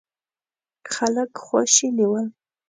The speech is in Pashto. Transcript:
خلک خواشيني ول.